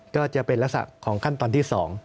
ก็จะเป็นลักษณะของขั้นตอนที่๒